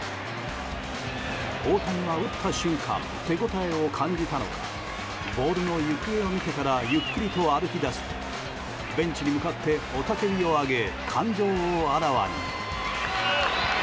大谷は打った瞬間手応えを感じたのかボールの行方を見てからゆっくりと歩き出すとベンチに向かって雄たけびを上げ感情をあらわに。